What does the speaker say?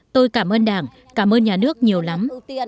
tôi cảm ơn đảng cảm ơn nhà nước nhiều lắm